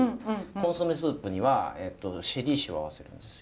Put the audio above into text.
コンソメスープにはシェリー酒を合わせるんですよ。